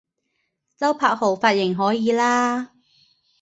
周柏豪髮型可以喇